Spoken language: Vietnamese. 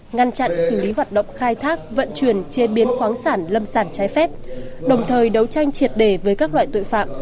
ngăn chặn xử lý hoạt động khai thác vận chuyển chế biến khoáng sản lâm sản trái phép đồng thời đấu tranh triệt đề với các loại tội phạm